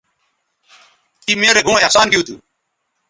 تی می رے گھؤں احسان گیو تھو